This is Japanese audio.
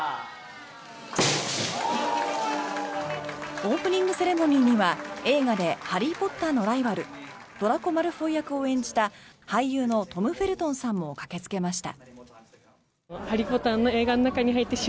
オープニングセレモニーには映画でハリー・ポッターのライバルドラコ・マルフォイ役を演じた俳優のトム・フェルトンさんも駆けつけました。